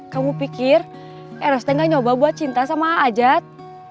kamu pikir eros tuh gak nyoba buat cinta sama a'ajat